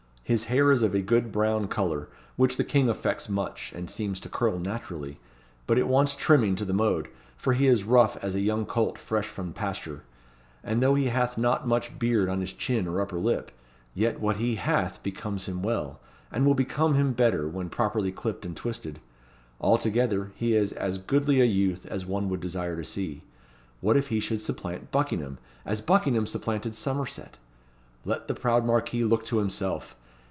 His hair is of a good brown colour, which the king affects much, and seems to curl naturally; but it wants trimming to the mode, for he is rough as a young colt fresh from pasture; and though he hath not much beard on his chin or upper lip, yet what he hath becomes him well, and will become him better, when properly clipped and twisted. Altogether he is as goodly a youth as one would desire to see. What if he should supplant Buckingham, as Buckingham supplanted Somerset? Let the proud Marquis look to himself!